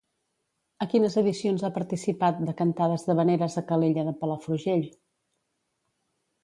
A quines edicions ha participat de cantades d'havaneres a Calella de Palafrugell?